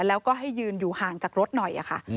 แล้วก็ให้ยืนอยู่ห่างจากรถหน่อยค่ะ